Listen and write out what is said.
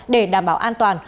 để đảm bảo an toàn